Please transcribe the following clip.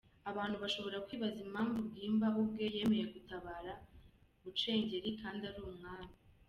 Abantu bashobora kwibaza impamvu Bwimba ubwe yemeye gutabara bucengeri kandi ari umwami.